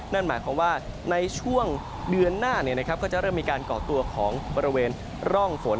นั่นหมายความว่าในช่วงเดือนหน้าก็จะเริ่มมีการก่อตัวของบริเวณร่องฝน